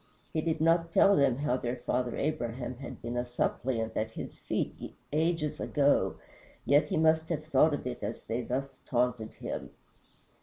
He did not tell them how their father Abraham had been a suppliant at his feet ages ago, yet he must have thought of it as they thus taunted him.